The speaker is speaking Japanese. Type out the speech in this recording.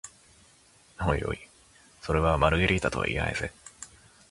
おいおい、それはマルゲリータとは言えないぜ？